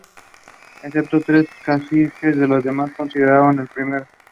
Excepto tres caciques, los demás concedieron el permiso.